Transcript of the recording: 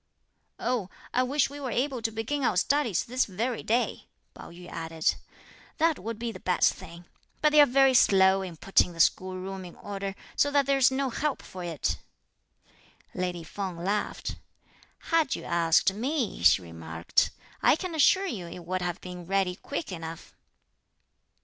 "Oh, I wish we were able to begin our studies this very day," Pao yü added; "that would be the best thing, but they're very slow in putting the school room in order, so that there's no help for it!" Lady Feng laughed. "Had you asked me," she remarked, "I can assure you it would have been ready quick enough."